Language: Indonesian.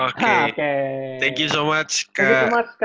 oke terima kasih banyak